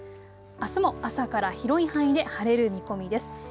あすも朝から広い範囲で晴れる見込みです。